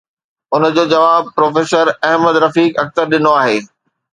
ان جو جواب پروفيسر احمد رفيق اختر ڏنو آهي.